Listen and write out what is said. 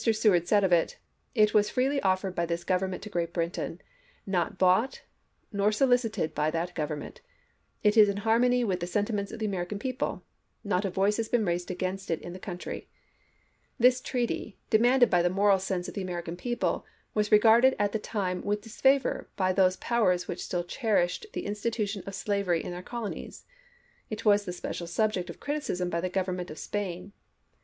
Seward said of it :" It was freely offered by this Government to Great Britain, not bought nor so licited by that Government. It is in harmony with mx. seward the sentiments of the American people. .. Not a Mr. Perry, voice has been raised against it in the country." 1862, This treaty, demanded by the moral sense of the American people, was regarded at the time with disfavor by those powers which stiU cherished the institution of slavery in their colonies. It was the special subject of criticism by the Government of Spain.